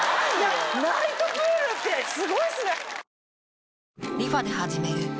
ナイトプールってすごいっすね。